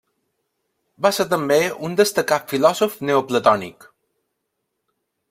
Va ser també un destacat filòsof neoplatònic.